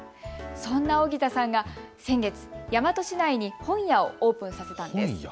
そんな荻田さんが先月、大和市内に本屋をオープンさせたんです。